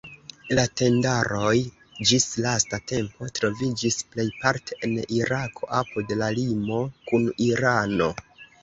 La tendaroj ĝis lasta tempo troviĝis plejparte en Irako, apud la limo kun Irano.